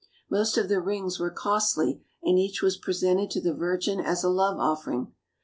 Most of the rings were costly and each was presented to the Virgin as a love offering.